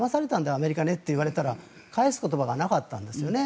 アメリカにと言われたら返す言葉がなかったんですね。